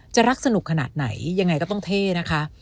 รักสนุกขนาดไหนยังไงก็ต้องเท่นะคะ